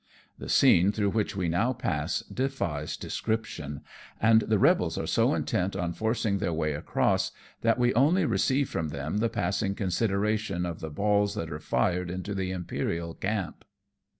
The scene through which we now pass defies descrip tion, and the rebels are so intent on forcing their way across, that we only receive from them the passing consideration of the balls that are fired into the Imperial camp.